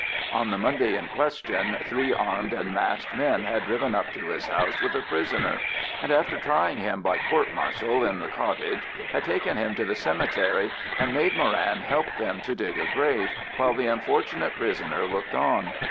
On the Monday in question three armed and masked men had driven up to his house with a prisoner, and after trying him by "court martial" in the cottage, had taken him to the cemetery, and made Moran help them to dig a grave, while the unfortunate prisoner looked on.